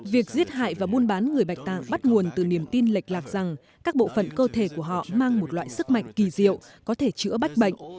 việc giết hại và buôn bán người bạch tạng bắt nguồn từ niềm tin lệch lạc rằng các bộ phận cơ thể của họ mang một loại sức mạnh kỳ diệu có thể chữa bách bệnh